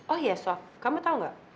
oh ya sob kamu tahu nggak